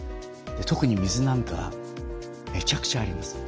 特に水なんかめちゃくちゃあります。